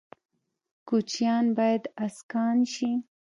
کوچیان باید اسکان شي